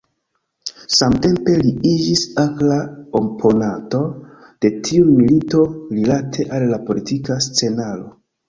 Samtempe li iĝis akra oponanto de tiu milito rilate al la politika scenaro.